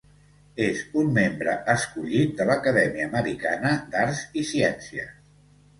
És un membre escollit de l'Acadèmia Americana d'Arts i Ciències.